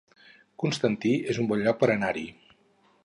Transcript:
Constantí es un bon lloc per anar-hi